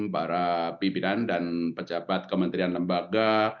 para pimpinan dan pejabat kementerian lembaga